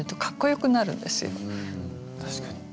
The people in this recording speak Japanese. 確かに。